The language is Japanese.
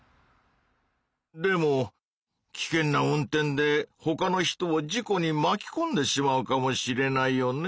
でもきけんな運転でほかの人を事故にまきこんでしまうかもしれないよね？